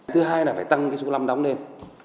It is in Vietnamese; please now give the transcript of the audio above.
thứ hai là phải tăng cái số năm đóng lên